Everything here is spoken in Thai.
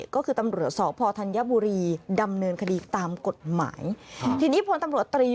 ก็คือตำรวจสพธัญบุรีดำเนินคดีตามกฎหมายทีนี้พลตำรวจตรี